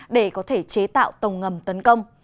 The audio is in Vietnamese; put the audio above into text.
để có thể chế tạo tàu ngầm tấn công